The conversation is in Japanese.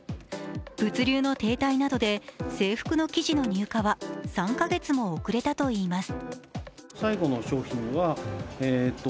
物流の停滞などで制服の生地の入荷は３か月も遅れたといいます。